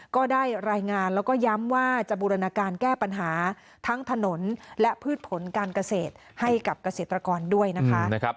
ก็ได้รายงานแล้วก็ย้ำว่าจะบูรณาการแก้ปัญหาทั้งถนนและพืชผลการเกษตรให้กับเกษตรกรด้วยนะคะ